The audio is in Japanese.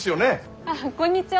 ああこんにちは。